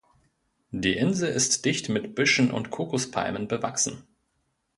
Die Insel ist dicht mit Büschen und Kokospalmen bewachsen.